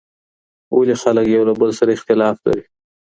ولې خلک یو له بل سره اختلاف لري؟